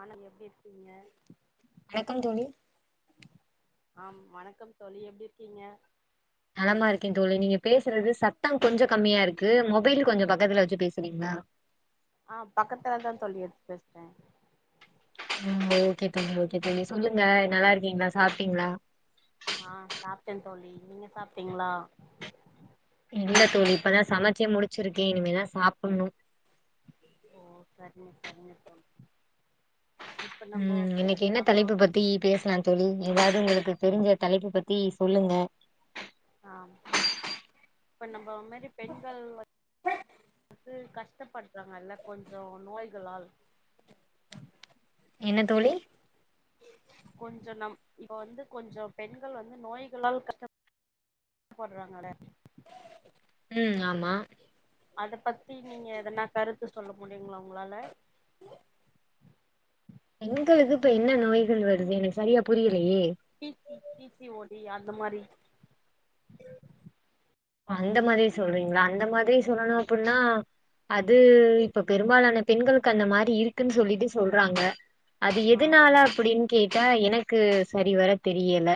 ஆனா எப்டி இருக்கீங்க வணக்கம் தோழி ஆம் வணக்கம் தோழி எப்டி இருக்கீங்க நலமா இருக்கே தோழி நீங்க பேசுறது சத்தம் கொஞ்சம் கம்மியா இருக்கு மொபைல் கொஞ்சோ பக்கத்துல வச்சு பேசுறீங்களா ஆஹ் பக்கத்துலதா தோழி எடுத்து பேசுர ம் ஓகே தோழி ஓகே தோழி சொல்லுங்க நல்லா இருக்கீங்களா சாப்ட்டீங்களா ஆஹ் சாப்டே தோழி நீங்க சாப்ட்டீங்களா இல்ல தோழி இப்பதா சமைச்சே முடிச்சிருக்கே இனிமேதா சாப்பட்ணு ஓ சர் ம் சரிங்க தோழி இப்ப நம்போ உம் பே இன்னைக்கு என்ன நம்போ தலைப்பு பத்தி பேசலா தோழி ஏதாவது உங்களுக்கு தெரிஞ்ச தலைப்பு பத்தி சொல்லுங்க ஆஹ் இப்ப நம்ப மாரி பெண்கள் வந்து கஷ்டப்படுறாங்கல்ல கொஞ்சோ நோய்களால் என்ன தோழி கொஞ்ச நம் இப்ப வந்து கொஞ்ச பெண்கள் வந்து நோய்களால் கஷ்டப் போடுறாங்களே உம் ஆமா அத பத்தி நீங்க எதனா கருத் [unintelligible] சொல்ல முடியுங்களா உங்களால பெண்களுக்கு இப்ப என்ன நோய்கள் வருது எனக்கு சரியா புரிய P C P C O D C அந்த மாரி அந்த மாரி சொல்ரீங்களா அந்த மாதிரி சொல்லணு ஆ அப்பிடின்னா அது இப்ப பெரும்பாலான பெண்களுக்கு அந்த மாரி இருக்குன்னு சொல்லிட்டு சொல்றாங்க அது ஆ எதுனால அப்படின் கேட்டா எனக்கு சரி வர தெரியல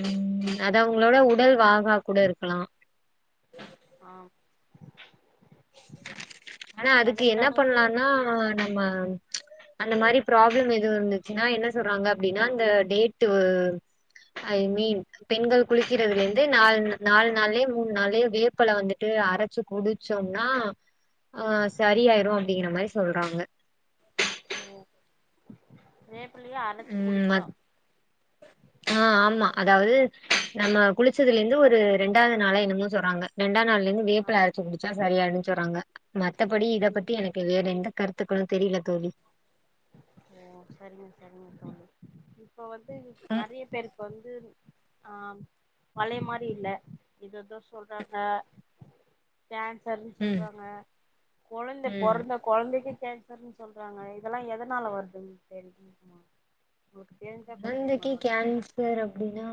உம் அத அவங்களோட உடல் வாகா கூட இருக்கலா ஆஹ் ஆனா அதுக்கு என்ன அதற்கான பண்லானா நம்ம அந்த மாரி ப்ராப்ளம் எதுவு இருந்துச்சுன்னா என்ன சொல்றாங்க அப்டின்னா அந்த டேட்டூ ஐ மீன் பெண்கள் குளிக்கிறதுல இருந்து நால் நால் நாள்லயோ மூன் நாள்லயோ வேப்பல வந்துட்டு அரைச்சு குடுத் ச்சோம்னா ம் ஆஹ் சரியாயிரு அப்டிங்கிற மாரி சொல்றாங்க ரேப் உம் ம ஆ ஆமா அதாவது நம்ம குளிச்சதுல இருந்து ஒரு ரெண்டாவது நாளோ என்னமோ சொல்றாங்க ரெண்டாம் நாள் ந்து ஆ வேப்பல அரச்சு குடிச்சா சரியன்னு சொல்றாங்க மத்தபடி இத ம் பத்தி எனக்கு வேற எந்த கத்துக்கள்ள தெரில தோழி ஓ சரிங்க சரிங்க தொழி இப்ப வந்து ம் நறைய பேருக்கு வந்து ஆ பழைய மாரி இல்ல எததோ சொல்றாங்க டான்சர்ன்னு ம் சொல்றாங்க குழந்தை ம் பிறந்த கொழந்தைக்கு கேன்சர்னு சொல்றாங்க இப் இதெலாம் எதனால வருதுன்னு தெரியுமா கொழந்தைக்கு கேன்சர் அப்டின்னா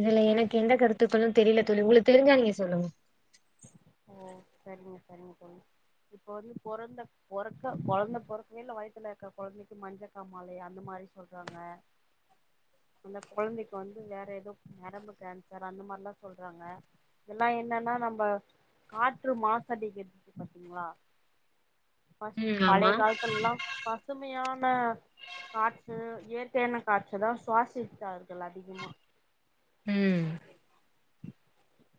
இதுல எனக்கு எந்த கருத்துக்களும் தெரியல தோழி உங்களுக்கு தெரிஞ்சா நீங்க சொல்லுங்க ஓ சரிங்க சரிங்க தோழி இப்ப வந்து பொறந்த பொறக்க கொழந்த பொறக்கைல வயத்துல இருக்க கொழந்தைக்கு மஞ்சக் காமாலைய அந்த மாரி சொல்றாங்க அந்த கொழந்தைக்கு வந்து வேற ஏதோ நரம்பு கேன்சர் அந்த மாரில்லாம் சொல்றாங்க இதெல்லாம் என்னன்னா நம்ம காற்று மாசு அடிக்குது பாத்தீங்களா ப ம் ஆமா பழைய காலத்துல எலாம் பசுமையான ன்ன காற்று இயற்கையான காற்று தான் சுவாசிச்சார்கள் அதிகமா உம்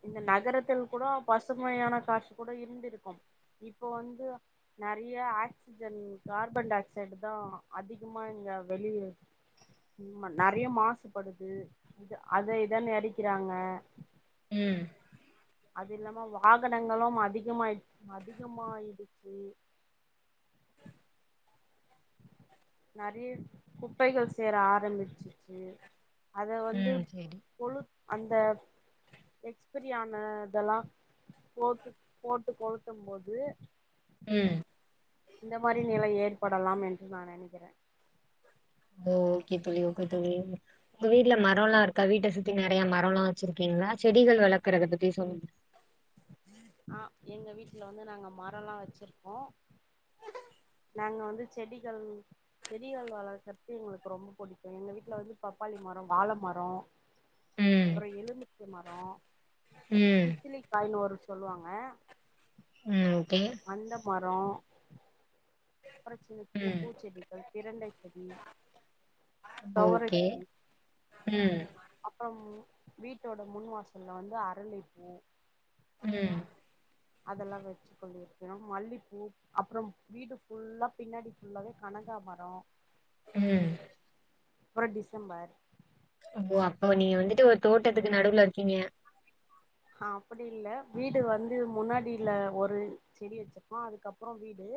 இந்த நகரத்தில் கூட பசுமையான காசு கூட இருந்திருக்கும் இப்ப வந்து நிறைய ஆக்சிஜன் கார்பன் டை ஆக்சைடு தான் அதிகமா இங்க வெளியிது நறைய மாசுபடுது இ அத இதன் அழிக்கிறாங்க ம் அது இல்லாம வாகனங்களும் அதிகமாயி அதிகமாயிடுச்சு நெறய குப்பைகள் சேர ஆரம்பிச்சு [unintelligible] அத வந்து ம் சேரி பொழு அந்த எக்ஸ்பிரியான இதெலாம் போட்டு கொளுத்தும் போது ம் இந்த மாரி நிலை ஏற்படலாம் என்று நான் நெனைக்கிறேன் ஓகே துளி ஓகே துளி உங்க வீட்டுல மரம் எல்லாம் இருக்கா வீட்ட சுத்தி நிறைய மரம் எல்லாம் வச்சிருக்கீங்களா செடிகள் வளர்க்கறத பத்தி சொல்லுங்க ஆ எங்க வீட்டுல வந்து நாங்க மரலாம் வச்சிருக்கோம் நாங்க வந்து செடிகள் செடிகள் வளர்க்கறது எங்களுக்கு ரொம்ப பிடிக்கும் எங்க வீட்டுல வந்து பப்பாளி மரம் வாழ மரம் ம் அப்புறம் எலுமிச்ச மரம் ம் இத்திலி காய்ன் ஒரு சொல்லுவாங்க ம் ஓகே அந்த மா அப்றோம் புறசேத்துள்ள ம் பூச்செடிகள் இரண்டை சதி ஓகே ம் அப்புறம் வீட்டோட முன் வாசல்ல வந்து அரளிப்பூ ம் அதெலாம் வச்சு கொள்ளிருக்கணோம் மல்லிப்பூ அப்புறம் வீடு ஃபுல்லா பின்னாடி ஃபுல்லாவே கனகாமரம் உம் அப்புறம் டிசம்பர் ஓ அப்போ நீங்க வந்துட்டு ஒரு தோட்டத்துக்கு நடுவுல இருக்கீங்க ஆஹ் அப்படி இல்ல வீடு வந்து முன்னாடியில ஒரு செடி வச்சிருப்போம் அதுக்கப்புறம் வீடு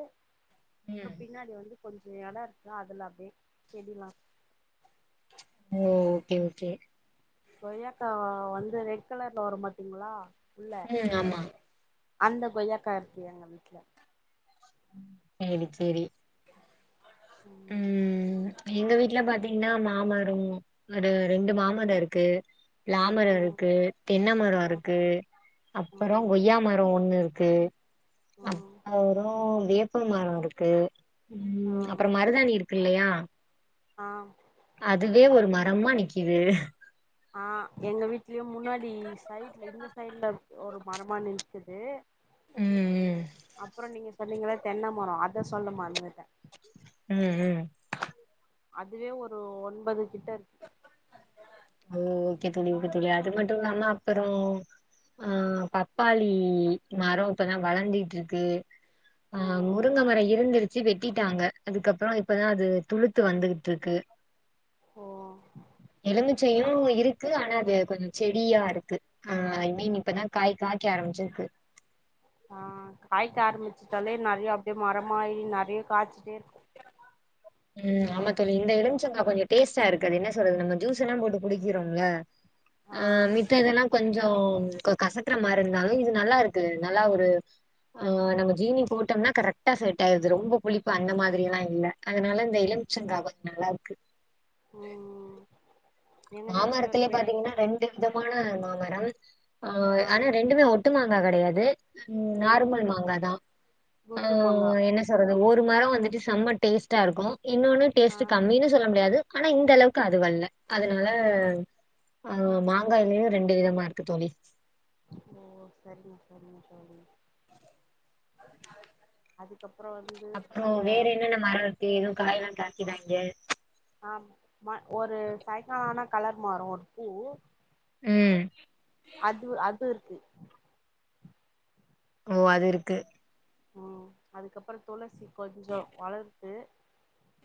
ம் அப்புறம் பின்னாடி வந்து கொஞ்சம் எடம் இருக்கு அதுல்ல அப்டியே செடிலா ஓ ஓகே -ஓகே கொய்யாக்கா வந்து ரெட் கலர்ல வரு பாத்திங்ளா ம் ஆமா அந்த கொய்யாக்கா இருக்கு எங்க வீட்டுல செரி செரி உம் எங்க வீட்டு்ல பாத்தீங்கன்னா மாமரோ ஒரு ரெண்டு மாமரம் இருக்கு லாமரம் ம் இருக்கு தென்னை மரம் ம் இருக்கு ம் ம் அப்புறம் கொய்யா மரம் ஒண்ணு க்கு ம் அவரும் வேப் [unintelligible] மரம் இருக்கு உம் மரதாணி இருக்கு இல்லையா ஆஹ் அதுவே ஒரு மரமா நிக்கிது ஆஹ் எங்க வீட்லயும் முன்னாடி சைட்ல இந்த சைட்ல ஒரு மரமா நிக்கிது ம் ம் அப்பறோ நீங்க சொன்னீங்கள தென்ன மரோ அத சொல்ல மறந்துட்டேன் உம் -உம் அதுவே ஒரு ஒன்பது கிட்ட இருக்கு ஓகே தோழி ஓகேத் [inaudible] அது மட்டும் இல்லாம அப்புறோ ஆஹ் பப்பாளி மரம் இப்பதான் வளர்ந்துட்டு இருக்கு ஆஹ் ம் முருங்கை மரம் இருந்திரு வெச்சி வெட்டிட்டாங்க அதுக்கப்புறம் இப்பதான் அது துளுத்து வந்துட்டு இருக்கு ஓ எளுந்து [unintelligible] இருக்கு ஆனா அது கொஞ்சம் செடியா இருக்கு ஐ மீன் இப்பதான் காய் காய்க ஆரம்பிச்சிருக்கு ஆஹ் காய்க ஆரம்பிச்சிட்டாலே நறையா அப்டியே மரமாயி நறைய காய்ச்சிட்டே இருக்கு உம் ஆமா சொல்லி இந்த எழும்சங்கா கொஞ்சோ டேஸ்ட்டா இருக்கு அது என்ன சொல்றது நம்ம ஜூஸ் எல்லாம் போட்டு குடிக்குறோம்ல ஆ ஆஹ் மித்ததெல்லாம் கொஞ்சம் [unintelligible] கொஞ் கசக்கற மாரி இருந்தாலும் இது நல்லா இருக்குது நல்லா ஒரு ஆஹ் நம்ம ஜீனி போட்டோம்னா கரெக்டா செட் ஆயிர்து ரொம்ப புளிப்பு அந்த மாதிரில்லாம் இல்ல அதனால இந்த எழும்சங்கா கொஞ்சம் நல்லா இருக்கு உம் மாமரத்திலேயே பாத்தீங்கன்னா ரெண்டு விதமான மா வரவு ஆஹ ஆ ஆனா ரெண்டுமே ஒட்டுமா [unintelligible] கிடையாது உம் ம் நார்மல் மாங்காதான் ஹ குண்டு மாங்கா என்ன சொல்றது ஒரு மரம் வந்துட்டு செம்ம டேஸ்டா இருக்கும் இன்னொன்னும் ஆ டேஸ்ட் கம்மின்னு சொல்ல முடியாது ஆனா இந்த அளவுக்கு அது வல்ல அதனால ஆ மாங்காய்லயும் ரெண்டு விதமா இருக்கு தோழி ஓ சரிங்க சரிங்க சரிங்க அது அப்புறம் வேற என்னென்ன மரம் இருக்கு ஏதுவும் காயெலாம் [unintelligible] ஆஹ் ஒரு சாயக்கால ஆானா கலர் மாறும் ஒரு பூ ம் அது அது இருக்கு ஓ அது இருக்கு உம் அதுக்கப்புறம் துளசி கொஞ்சம் வளருது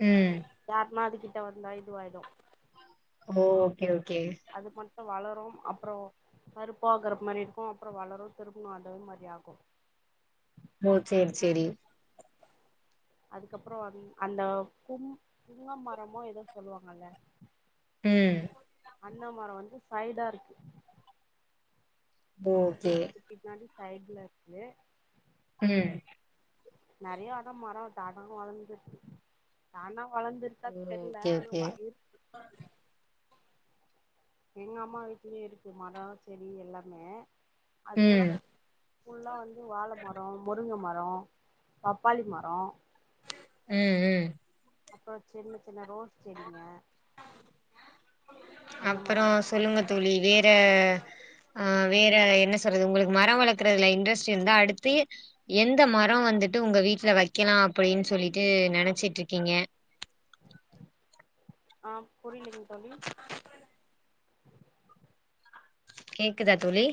ம் யாருமா அதுக்கு [unintelligible] வந்தா இதுவாயிடும் ஓ ஓகே ஓகே வளரும் அப்புறம் பருப்பாகற மாதிரி இருக்கும் அப்புறம் வளரும் திரும்ப ஆதே மாதிரி ஆகும் ஓ சேர் செரி அதுக்கப்புறம் அந் அந்த பூம் புங்க மரமோ ஏதோ சொல்லுவாங்கல ம் அண்ணாமரம் வந்து சைடா இருக்கு ஓகே வீட்டுக்கு பின்னாடி சைட்ல இருக்கு உம் நறைய அதான் மரம் தான [unintelligible] தானா வளர்ந்துருக்கா தெரியல்ல ஓகே ஆனா ஓகே வயக்கு எங்க அம்மா வீட்டுலயே இருக்கு மரம் செடி எல்லாமே அது எல்லாம் ம் ஃபுல்லா வந் வாழமரம் முருங்க மரம் மரம் பப்பாளி மரம் உம் உம் அப்புறோ சின்ன சின்ன ரோஸ் செரிங்க அந்த அப்பறோ மாரி சொல்லுங்க தோழி வேற ஆஹ் வேற என்ன சொல்றது உங்ளுக்கு மரம் வளக்கறதுல இன்ட்ரெஸ்ட் இருந்தா அடுத்து எந்த மரம் வந்துட்டு உங்க வீட்ல வைக்கலாம் அப்டின்னு சொல்லிட்டு நினச்சிட்ருக்கீங்க ஆஹ் புரியலீங்க தோழி கேக்குதா தோழி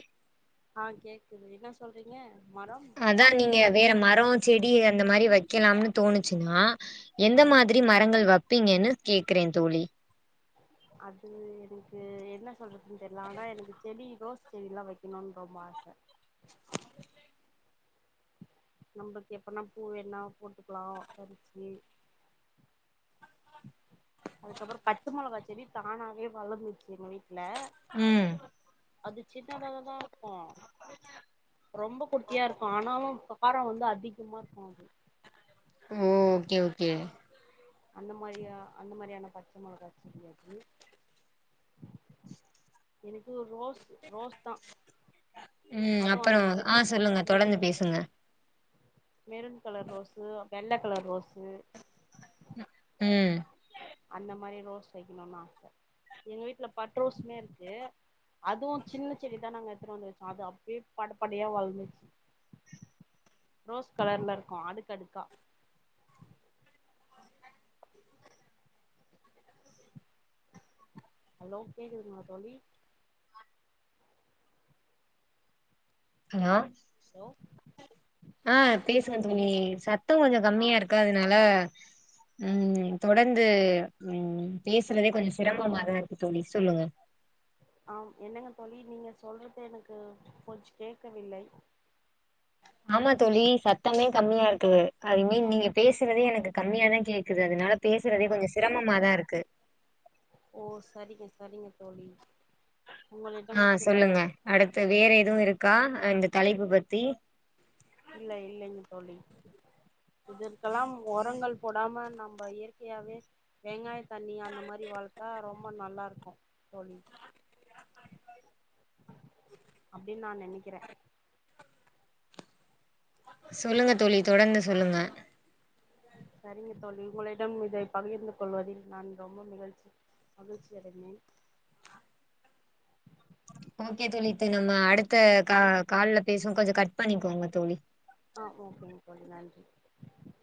ஆஹ் கேக்குது என்ன சொல்றீங்க மரம் அதான் நீங்க வேற மரோ செடி அந்த மாரி வைக்கலாம்னு தோணுச்சுனா ஆ எந்த மாதிரி மரங்கள் வப் பீங்கன்னு கேக்குறேன் தோழி அது எனக்கு என்ன சொல்றதுன்னு தெர்ல ஆனா எனக்கு செடி ரோஸ் செடி எல்லாம் வைக்கணும்னு ரொம்ப ஆச நம்பளுக்கு எப்பனா பூ வேண்ணா போட்டுக்கலா பறிச்சு அதுக்கப்றோ பச்ச மொளகா செடி தானாவே வளந்துச்சு எங்க வீட் ல ம் அது சின்னதாகதா இருக்கும் ரொம்ப குட்டியா இருக்கும் ஆனாலும் அ காரம் வந்து அதிகமா இருக்கும் அது ஓ ஓகே -ஓகே அந்த மாதிரியா அந்த மாதிரியான பச்சை மிளகாயச் செடி அது எனக்கு ரோஸ் ரோஸ் தா உம் அதுவு அந்த அப்புறோ ஆஹ் சொல்லுங்க தொடர்ந்து பேசுங்க மெருன் கலர் ரோசு வெள்ள கலர் ரோசு உம் மாரி ரோஸ் வைக்கணுன்னு ஆச எங்க வீட்ல பட்டு ரோசுமே இருக்கு அதுவு சின்ன செடிதா நாங்க எடுத்துட்டு வந்து வச்சோ அது அப்டியே படப்படயா வளந்துர்ச்சு ரோஸ் கலர்ல இருக்கும் அடுக்கு அடுக்கா ஹலோ கேக்குதுங்களா தோழி ஹலோ ஹலோ ஆஹ் பேசுங்க தோளி த்தோம் கொஞ்சோம் ஆ கம்மியா இருக்கு அதனால உம் தொடர்ந்து உம் பேசுறதே கொஞ்சம் சிரமமாாதான் இருக்கு தோளி சொல்லுங்க ஆ என்னங்க தோழி நீங்க சொல்றது எனக்கு கொஞ்சோ கேக்கவில்லை ஆமா தோழி சத்தமே கம்மியா இருக்கு அதுமே நீங்க பேசுறதே எனக்கு கம்மியாதா கேக்குது அதனால பேசுறதே கொஞ்ச சிரமமாதா இருக்கு ஓ சரிங்க -சரிங்க தோலி ஆஹ் சொல்லுங்க அடுத்து வேற எதுவும் இருக் க்கா அந்த தலைப்பு பத்தி இல்ல இல்லைங்க தோழி இதற்கெல்லா ஒரங்கள் போடாம நம்ப இயற்கையாவே வெங்காய தண்ணி அந்த மாரி வளத்தா ரொம் ரொம்ப நல்லா இருக்கும் தோழி அப்டின்னு நா நெனைக்கிறே சொல்லுங்க தோலி தொடர்ந்து சொல்லுங்க சரிங்க தோழி உங்களிடம் இதை பகிர்ந்து கொள்வதில் நான் ரொம்ப மிகழ்ச்சி மகிழ்ச்சி அடைந்தேன் ஓகே தோழி இது நம்ம அடுத்த கா கால்ல பேசுவோ கொஞ்ச கட் பண்ணிக்கோங்க தோழி ஆஹ் ஓகேங்க [unintelligible]